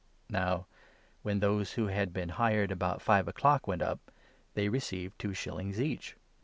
Now when those who 9 had been hired about five o'clock went up, they received two shillings each.